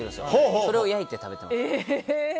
それを焼いて食べてました。